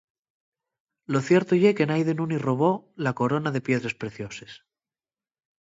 Lo cierto ye que naide nun-y robó la corona de piedres precioses.